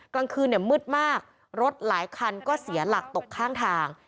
กลางคืนเนี่ยมืดมากรถหลายคันก็เสียหลักตกข้างทาง